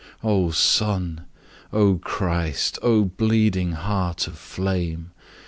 O Sun, O Christ, O bleeding Heart of flame!